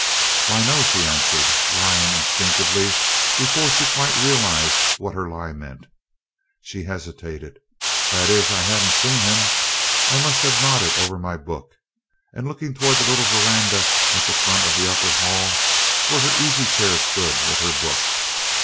"Why, no!" she answered, lying instinctively before she quite realized what her lie meant. She hesitated. "That is, I haven't seen him. I must have nodded over my book," looking toward the little verandah at the front of the upper hall, where her easy chair stood with her book.